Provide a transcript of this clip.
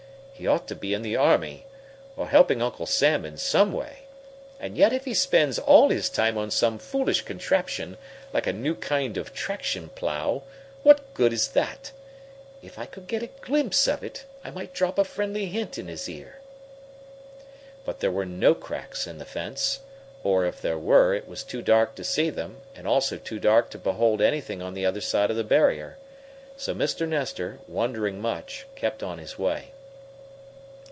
He ought to be in the army, or helping Uncle Sam in some way. And yet if he spends all his time on some foolish contraption, like a new kind of traction plow, what good is that? If I could get a glimpse of it, I might drop a friendly hint in his ear." But there were no cracks in the fence, or, if there were, it was too dark to see them, and also too dark to behold anything on the other side of the barrier. So Mr. Nestor, wondering much, kept on his way.